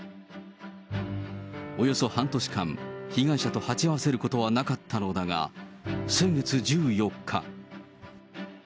およそ半年間、被害者と鉢合わせることはなかったのだが、先月１４日。